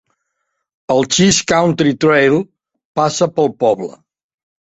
El Cheese Country Trail passa pel poble.